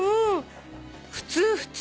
普通普通。